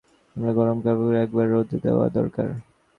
আমার গরম কাপড়গুলা একবার রৌদ্রে দেওয়া দরকার।